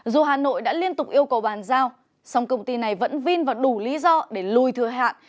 dù hà nội đã liên tục yêu cầu bàn giao song công ty này vẫn vin vào đủ lý do để lùi thừa hạn